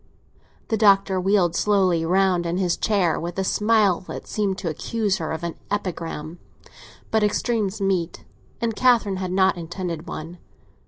The Doctor wheeled slowly round in his chair, with a smile that seemed to accuse her of an epigram; but extremes meet, and Catherine had not intended one.